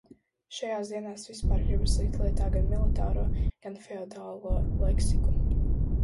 Šajās dienās vispār gribas likt lietā gan militāro, gan feodālo leksiku.